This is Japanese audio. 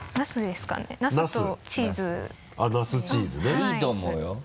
いいと思うよ。